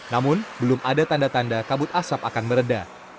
namun belum ada tanda tanda kabut asap akan meredah